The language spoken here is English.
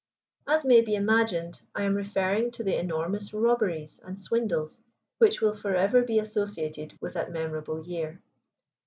As may be imagined, I am referring to the enormous robberies and swindles which will forever be associated with that memorable year.